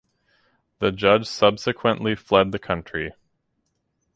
The judge subsequently fled the country.